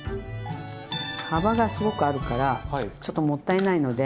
幅がすごくあるからちょっともったいないので。